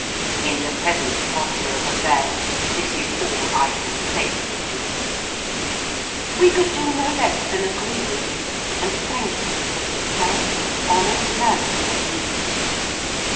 In the present posture of affairs this is all I can safely do." We could do no less than agree with him, and thank him for his frank and honest manner of meeting us.